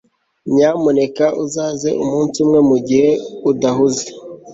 Nyamuneka uzaze umunsi umwe mugihe udahuze